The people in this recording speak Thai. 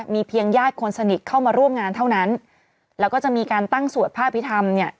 มีเพียงญาติคนสนิทเข้ามาร่วมงานเท่านั้นแล้วก็จะมีการตั้งสวดพระอภิษฐรรมเนี่ย